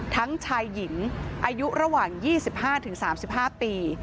ทั้งชายหญิงอายุระหว่าง๒๕๓๕ปี